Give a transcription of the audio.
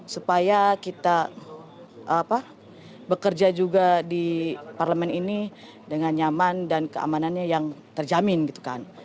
supaya kita bekerja juga di parlemen ini dengan nyaman dan keamanannya yang terjamin gitu kan